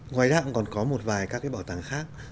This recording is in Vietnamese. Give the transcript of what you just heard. ngoài ra cũng còn có một vài các cái bảo tàng khác